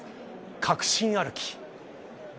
確信歩き。